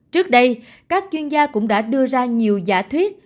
trước đây các chuyên gia cũng đã đưa ra nhiều giả thuyết